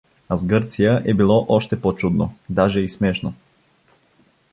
А с Гърция е било още по-чудно, даже и смешно.